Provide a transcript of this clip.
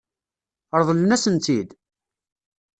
Ṛeḍlen-asen-tt-id?